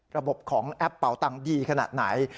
ระบบของแอปเป่าตังค์ดีขนาดไหน